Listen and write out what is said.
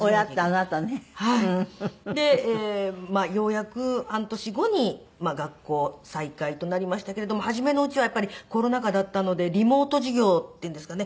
でようやく半年後に学校再開となりましたけれども初めのうちはやっぱりコロナ禍だったのでリモート授業っていうんですかね。